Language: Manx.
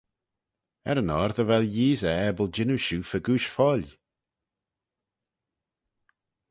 Er yn oyr dy vel Yeesey abyl jannoo shiu fegooish foill.